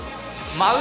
舞う！